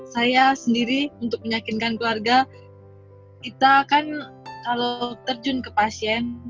saya sendiri untuk meyakinkan keluarga kita kan kalau terjun ke pasien